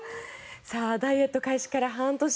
ダイエット開始から半年。